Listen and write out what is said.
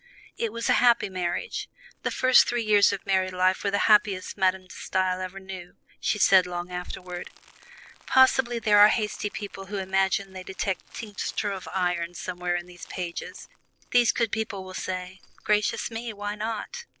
It was a happy marriage. The first three years of married life were the happiest Madame De Stael ever knew, she said long afterward. Possibly there are hasty people who imagine they detect tincture of iron somewhere in these pages: these good people will say, "Gracious me! why not?"